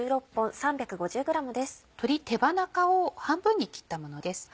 鶏手羽中を半分に切ったものです。